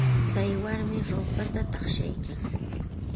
Tsay warmi ruupata taqshaykan.